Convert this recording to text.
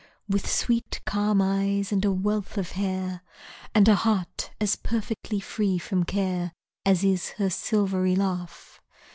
With sweet, calm eyes, and a wealth of hair, And a heart as perfectly free from care As is her silvery laugh.